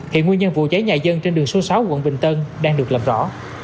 hiện nguyên nhân vụ cháy nhà dân trên đường số sáu quận bình tân đang được làm rõ